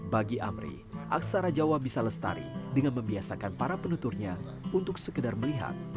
bagi amri aksara jawa bisa lestari dengan membiasakan para penuturnya untuk sekedar melihat